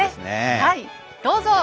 はいどうぞ。